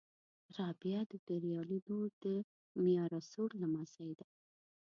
رابعه د توریالي لور د میارسول لمسۍ ده